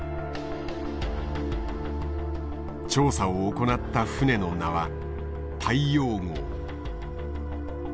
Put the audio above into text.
調査を行った船の名は大洋号。